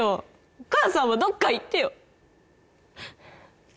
お母さんはどっか行ってよ